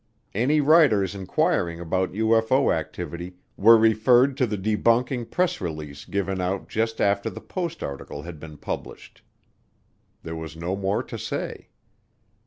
Any writers inquiring about UFO activity were referred to the debunking press release given out just after the Post article had been published. There was no more to say.